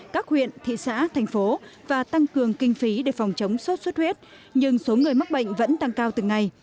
các huyện thị xã thành phố và tăng cường kinh phí để phòng chống sốt xuất huyết nhưng số người mắc bệnh vẫn tăng cao từng ngày